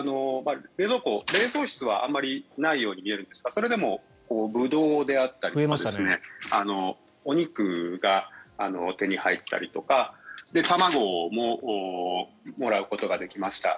冷蔵室はあまりないように見えるんですがそれでもブドウであったりお肉が手に入ったりとか卵ももらうことができました。